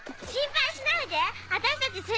心配しないで私たち